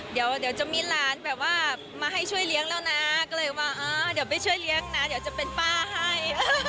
เดี๋ยวจะมีหลานแบบว่ามาให้ช่วยเลี้ยงแล้วนะก็เลยว่าเดี๋ยวไปช่วยเลี้ยงนะเดี๋ยวจะเป็นป้าให้